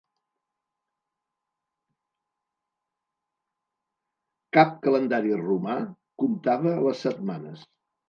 Cap calendari romà comptava les setmanes.